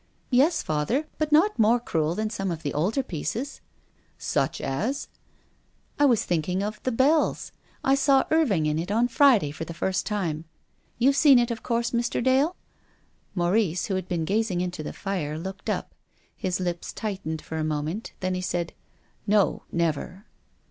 " Yes, father, but not more cruel than some of the older pieces." " Such as —?"" I was thinking of ' The Bells.' I saw Irving in it on Friday for the first time. You've seen it, of course, Mr. Dale ?" Maurice, who had been gazing into the fire, looked up. His lips tightened for a moment, then he said :" No, never